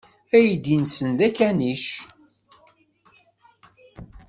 Aydi-nsen d akanic.